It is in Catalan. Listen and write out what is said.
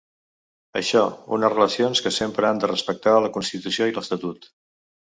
Això unes relacions que sempre han de ‘respectar la constitució i l’estatut’.